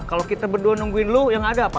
kalau kita berdua nungguin lu ya gak ada apa